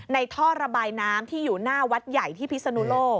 ท่อระบายน้ำที่อยู่หน้าวัดใหญ่ที่พิศนุโลก